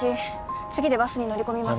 次でバスに乗り込みます